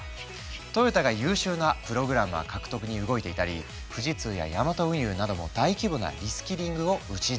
トヨタが優秀なプログラマー獲得に動いていたり富士通やヤマト運輸なども大規模なリスキリングを打ち出したり。